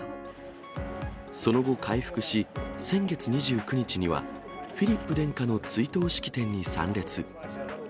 その後、回復し、先月２９日にはフィリップ殿下の追悼式典に参列。